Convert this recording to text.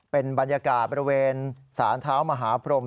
เป็นบรรยากาศบริเวณสารเท้ามหาพรม